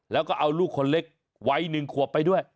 แล้วก็เอาลูกคนเล็กวัย๑ขวบไปด้วย